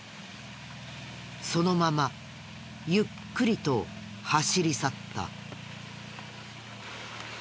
そのままゆっくりと走り去った。